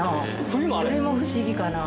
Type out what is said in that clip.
それも不思議かな。